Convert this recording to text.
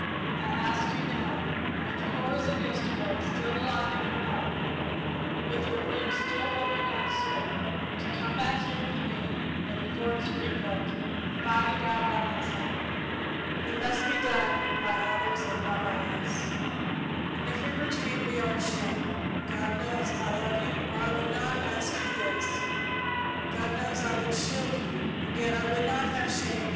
I ask you now, with the horrors of yesterday still alive in your heart, with your wound still open and sore, to come back here with me, when the Fort is rebuilt, and fight it out by my side. "It must be done by others if not by us, and if we retreat we are shamed. God knows I love you, or I would not ask you this. God knows I would shield you, and yet I would not have you shamed.